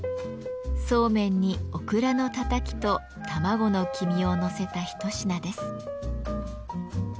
そうめんにオクラのたたきと卵の黄身をのせた一品です。